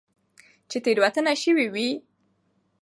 چې تيروتنه شوي وي